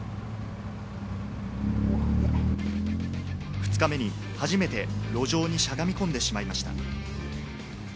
２日目に初めて路上にしゃがみ込んでしまいました。